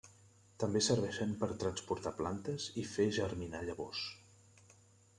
També serveixen per a transportar plantes i fer germinar llavors.